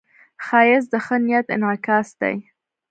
ښایست د ښه نیت انعکاس دی